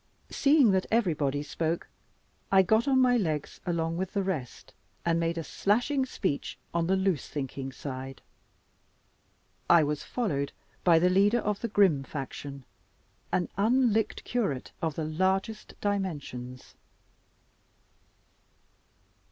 Seeing that everybody spoke, I got on my legs along with the rest, and made a slashing speech on the loose thinking side. I was followed by the leader of the grim faction an unlicked curate of the largest dimensions.